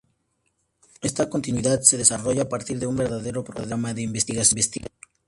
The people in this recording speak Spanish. Esta continuidad se desarrolla a partir de un verdadero programa de investigación.